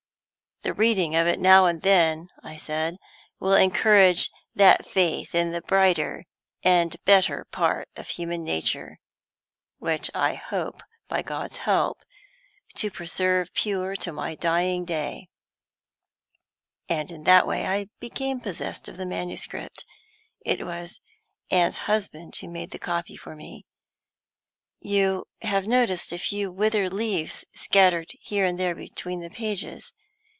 'The reading of it now and then,' I said, 'will encourage that faith in the brighter and better part of human nature which I hope, by God's help, to preserve pure to my dying day.' In that way I became possessed of the manuscript: it was Anne's husband who made the copy for me. You have noticed a few withered leaves scattered here and there between the pages.